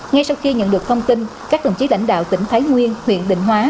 ngay sau khi nhận được thông tin các đồng chí lãnh đạo tỉnh thái nguyên huyện định hóa